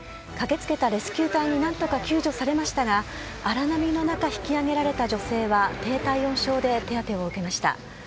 駆けつけたレスキュー隊に何とか救助されましたが荒波の中、引き上げられた女性は低体温症で手当てを受けました。